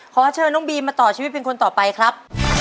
ขอเชิญน้องบีมมาต่อชีวิตเป็นคนต่อไปครับ